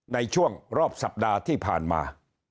ในช่วงรอบสัปดาห์ที่ผ่านมา